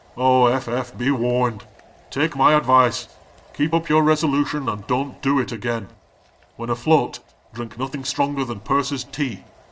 Oh, F. F., be warned ! be warned ! Take my advice ; keep up your resolution, and don't do it again. When afloat, drink nothing stronger than purser's tea.